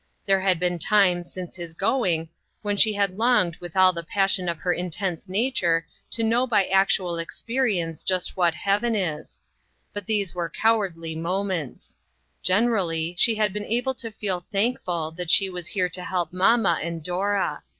There had been times since his going when she had longed with all the passion of her in tense nature to know by actual experience just what Heaven is. But these were cowardly moments. Generally, she had been able to feel thankful that she was here to help mamma and Dora.